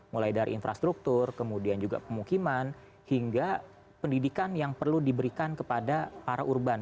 mulai dari infrastruktur kemudian juga pemukiman hingga pendidikan yang perlu diberikan kepada para urban